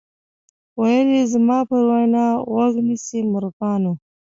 ویل زما پر وینا غوږ نیسۍ مرغانو